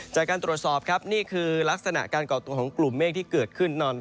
จากการตรวจสอบครับนี่คือลักษณะการก่อตัวของกลุ่มเมฆที่เกิดขึ้น